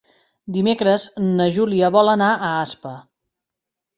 Dimecres na Júlia vol anar a Aspa.